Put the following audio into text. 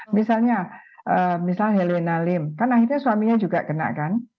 misalnya misal helina lim kan akhirnya suaminya juga kena kan